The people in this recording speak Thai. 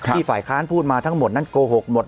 ฝ่ายค้านพูดมาทั้งหมดนั้นโกหกหมด